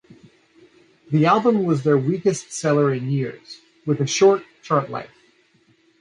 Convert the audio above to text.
The album was their weakest seller in years, with a short chart life.